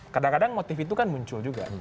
kadang kadang motif itu kan muncul juga